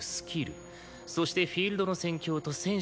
そしてフィールドの戦況と選手の環境。